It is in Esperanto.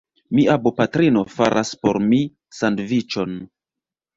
Mia bopatrino faras por mi sandviĉon.